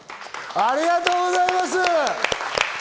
ありがとうございます。